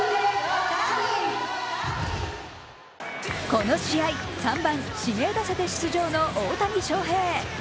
この試合、３番・指名打者で出場の大谷翔平。